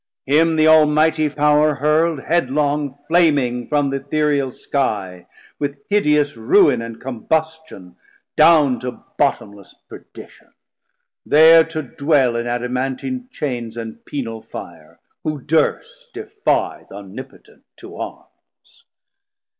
Him the Almighty Power FULL SIZE Medium Size Hurld headlong flaming from th' Ethereal Skie With hideous ruine and combustion down To bottomless perdition, there to dwell In Adamantine Chains and penal Fire, Who durst defie th' Omnipotent to Arms.